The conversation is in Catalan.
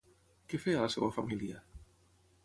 Què feia la seva família?